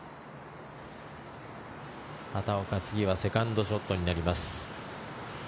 畑岡、次はセカンドショットになります。